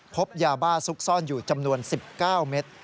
พบยาบ้าซุกซ่อนอยู่จำนวน๑๙เมตร